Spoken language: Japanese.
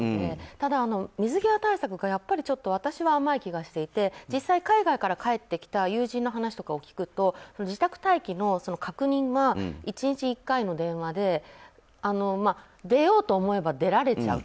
ただ、水際対策がやっぱり私は甘い気がしていて実際、海外から帰ってきた友人の話とかを聞くと自宅待機の確認が１日１回の電話で出ようと思えば出られちゃう。